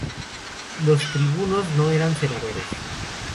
Los tribunos no eran senadores.